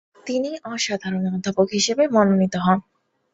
তিনি অসাধারণ অধ্যাপক হিসাবে মনোনীত হন।